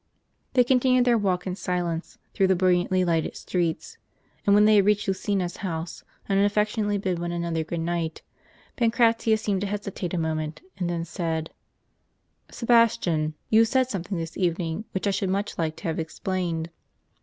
* They continued their walk in silence through the brill iantly lighted streets ; t and when they had reached Lucina's house, and had affectionately bid one another good night, Pancratius seemed to hesitate a moment, and then said :" Sebastian, you said something this evening, which I should much like to have explained."